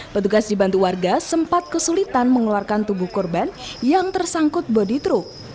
petugas dibantu warga sempat kesulitan mengeluarkan tubuh korban yang tersangkut bodi truk